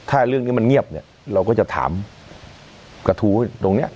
ถ้าเรื่องนี้มันเงียบเนี่ยเราก็จะถามกระทู้ตรงนี้